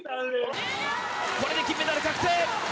これで金メダル確定！